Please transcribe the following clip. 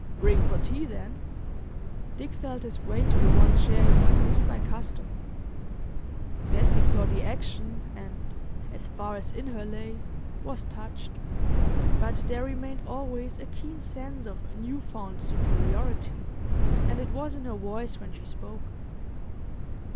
"Ring for tea, then." Dick felt his way to the one chair he used by custom. Bessie saw the action and, as far as in her lay, was touched. But there remained always a keen sense of new found superiority, and it was in her voice when she spoke.